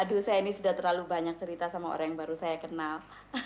aduh saya ini sudah terlalu banyak cerita sama orang yang baru saya kenal